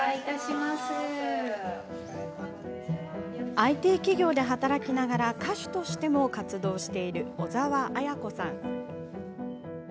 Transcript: ＩＴ企業で働きながら歌手としても活動している小澤綾子さん。